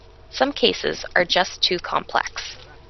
Some cases are just too complex.